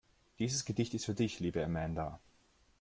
Dieses Gedicht ist für dich, liebe Amanda.